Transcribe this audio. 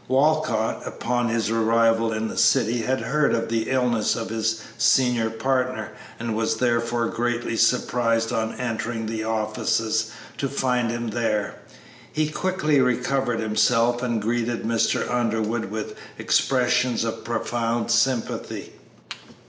Walcott, upon his arrival in the city, had heard of the illness of his senior partner, and was therefore greatly surprised on entering the offices to find him there. He quickly recovered himself and greeted Mr. Underwood with expressions of profound sympathy.